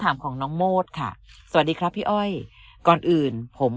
ถามของน้องโมดค่ะสวัสดีครับพี่อ้อยก่อนอื่นผม